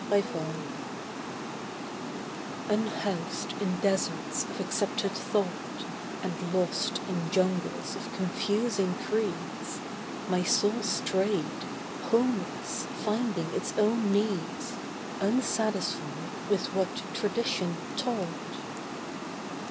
MY HEAVEN Unhoused in deserts of accepted thought, And lost in jungles of confusing creeds, My soul strayed, homeless, finding its own needs Unsatisfied with what tradition taught.